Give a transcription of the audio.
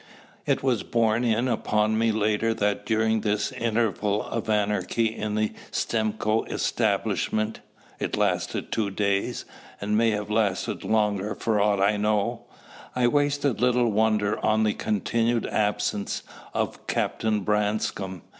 It was borne in upon me later that during this interval of anarchy in the Stimcoe establishment it lasted two days, and may have lasted longer for aught I know I wasted little wonder on the continued absence of Captain Branscome.